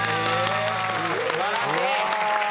素晴らしい！